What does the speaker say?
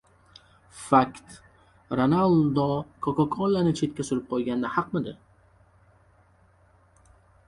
Fakt! Ronaldu Coca-cola'ni chetga surib qo‘yganida haqmidi?